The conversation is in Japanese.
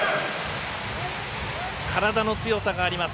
体の強さがあります